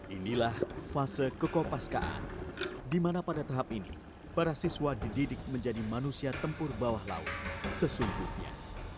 inilah fase kekopaskaan di mana pada tahap ini para siswa dididik menjadi manusia tempur bawah laut sesungguhnya